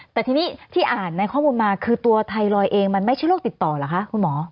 แต่ทีนี้ที่อ่านในข้อมูลมาคือตัวไทรอยด์เองมันไม่ใช่โรคติดต่อเหรอคะคุณหมอ